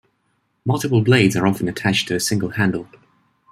Multiple blades are often attached to a single handle.